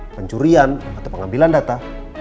pencurian atau pengambilan data